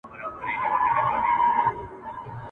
نن مي د جلاد په لاس کي سره تېغونه ولیدل !.